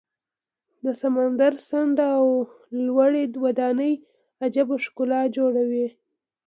د سمندر څنډه او لوړې ودانۍ عجیبه ښکلا جوړوي.